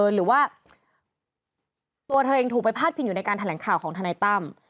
หรือว่าตัวเธอเองถูกไปพาดพิงอยู่ในการแถลงข่าวของทนายตั้ม